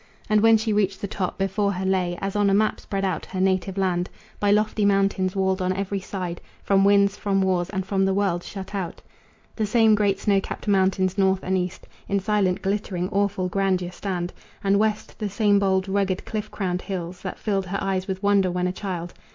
And when she reached the top, before her lay, As on a map spread out, her native land, By lofty mountains walled on every side, From winds, from wars, and from the world shut out; The same great snow capped mountains north and east In silent, glittering, awful grandeur stand, And west the same bold, rugged, cliff crowned hills. That filled her eyes with wonder when a child.